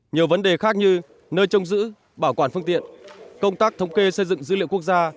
nhiều vấn đề khác như nơi trông giữ bảo quản phương tiện công tác thống kê xây dựng dữ liệu quốc gia